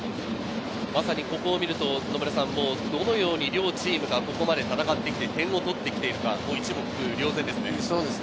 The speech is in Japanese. これを見るとどのように両チームがここまで戦ってきて点を取ってきているか一目瞭然ですね。